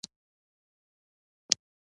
ځینې محصلین د خپلې خوښې څانګه غوره کوي.